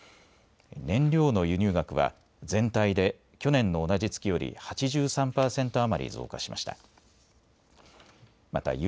燃料の輸入額は全体で去年の同じ月より８３％余り増加しました。